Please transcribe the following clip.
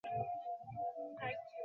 বুঝেছো আমার কথা?